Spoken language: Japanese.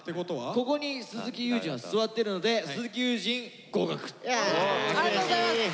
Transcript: ここに鈴木悠仁は座ってるのでありがとうございます！